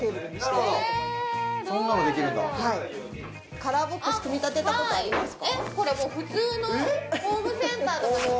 カラーボックス組み立てたことありますか？